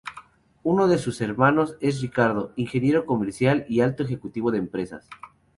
Uno de sus hermanos es Ricardo, ingeniero comercial y alto ejecutivo de empresas.